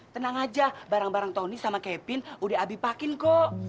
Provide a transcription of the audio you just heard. tenang aja barang barang tony sama kevin udah abipakin kok